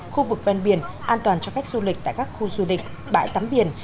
khu vực ven biển an toàn cho khách du lịch tại các khu du lịch bãi tắm biển